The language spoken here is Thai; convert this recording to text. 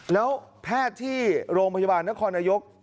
แล้วแพทย์ที่โรงพยาบาลนครนายก